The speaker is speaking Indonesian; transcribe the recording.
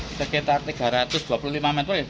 iya sekitar tiga ratus an meter